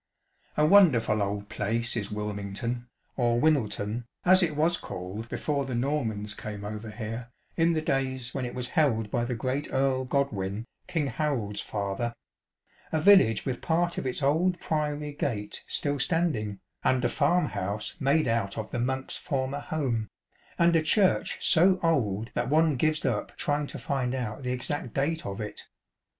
A wonderful old place is Wilmington, or " Wineltone" as it was called before the Normans came over here, in the days when it was held by the great Earl Godwin, King Harold's father ; a village with part of its old priory gate still standing, and a farm house made out of cH. VI. Alfriston and Wilmington, 8i the monks' former home, and a church so old that one gives up trying to find out the exact date of it.